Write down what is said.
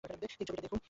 এই ছবিটা দেখুন।